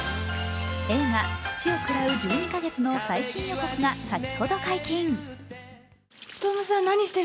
映画「土を喰らう十二ヵ月」の最新予告が先ほど解禁。